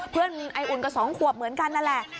เพื่อนไออุ่นก็สองขวบเหมือนกันนั่นแหละ